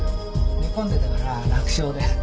寝込んでたから楽勝で。